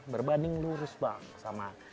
berbanding lurus bang sama